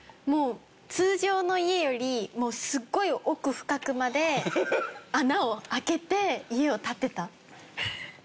もう通常の家よりもうすっごい奥深くまで穴を開けて家を建てた。